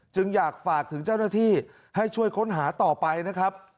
จึงอยากฝากถึงเจ้าหน้าที่ให้ช่วยค้นหาต่อไปนะครับ